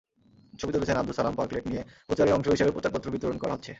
ছবি তুলেছেন আবদুস সালামপার্কলেট নিয়ে প্রচারের অংশ হিসেবে প্রচারপত্র বিতরণ করা হচ্ছে।